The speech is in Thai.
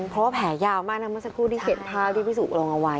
เพราะว่าแผลยาวมากนะมาสักครู่ที่เข็ดผ้าพี่สุกลงเอาไว้